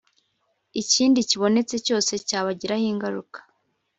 ikindi kibonetse cyose cyabagiraho ingaruka